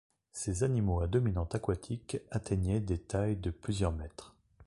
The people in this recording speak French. Ces animaux à dominante aquatique atteignaient des tailles de plusieurs mètres.